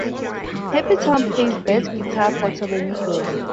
Happy-Tom plays bass guitar for Turbonegro.